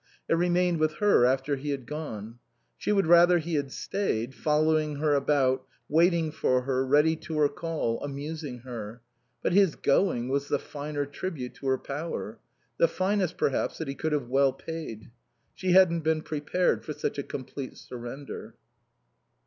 It remained with her after he had gone. She would rather he had stayed, following her about, waiting for her, ready to her call, amusing her; but his going was the finer tribute to her power: the finest, perhaps, that he could have well paid. She hadn't been prepared for such a complete surrender.